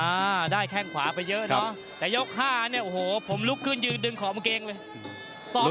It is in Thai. อ่าได้แข้งขวาไปเยอะเนอะแต่ยกห้าเนี่ยโอ้โหผมลุกขึ้นยืนดึงขอบกางเกงเลย